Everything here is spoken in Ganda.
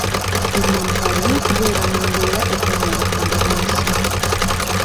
Buli muntu alina okubeera mu mbeera ekuuma obutonde bw'ensi.